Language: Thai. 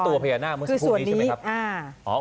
ตัวพญานาคเมื่อสักครู่นี้ใช่ไหมครับ